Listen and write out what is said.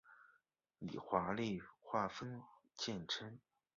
以华丽画风见称。